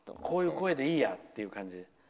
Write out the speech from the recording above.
こういう声でいいやって感じ？